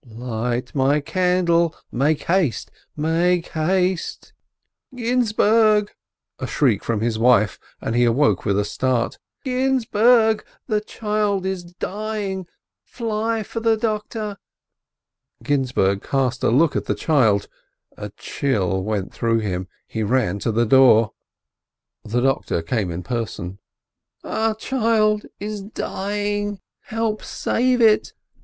"Light my candle — make haste, make haste —" "Ginzburg!" a shriek from his wife, and he awoke with a start. "Ginzburg, the child is dying! Fly for the doctor." Ginzburg cast a look at the child, a chill went through him, he ran to the door. 376 S. LIBIN The doctor came in person. "Our child is dying! Help save it!"